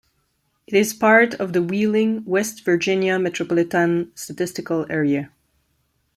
It is part of the Wheeling, West Virginia Metropolitan Statistical Area.